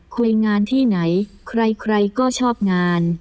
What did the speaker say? คุยงานที่ไหนใครก็ชอบงาน